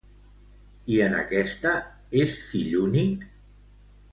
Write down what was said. I en aquesta, és fill únic?